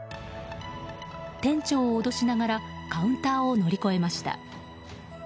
店長を脅しながらカウンターを乗り越えました。